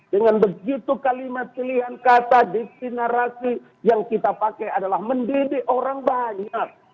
dengan begitu kalimat pilihan kata diksi narasi yang kita pakai adalah mendidik orang banyak